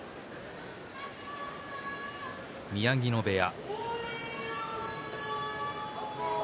宮城野部屋。